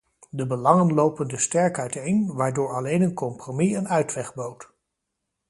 De belangen lopen dus sterk uiteen, waardoor alleen een compromis een uitweg bood.